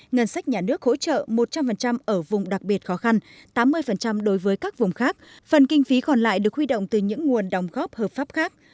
ngân sách nhà nước hỗ trợ một trăm linh ở vùng đặc biệt khó khăn tám mươi đối với các vùng khác phần kinh phí còn lại được huy động từ những nguồn đồng góp hợp pháp khác